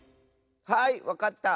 はいわかった！